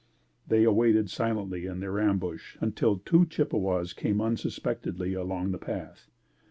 They awaited silently in their ambush until two Chippewas came unsuspectedly along the path.